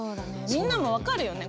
みんなも分かるよね？